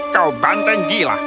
kau banteng gila